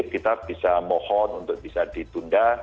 kita bisa mohon untuk bisa ditunda